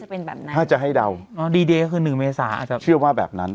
เป็นแบบนั้นถ้าจะให้เดาอ๋อดีเดย์คือหนึ่งเมษาอาจจะเชื่อว่าแบบนั้น